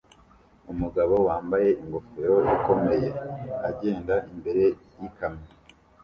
Umugabo wambaye ingofero ikomeye agenda imbere yikamyo